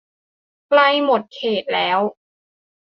ใกล้หมดเขตแล้ว !